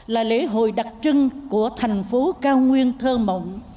là lễ hội đặc trưng của thành phố cao nguyên thơ mộng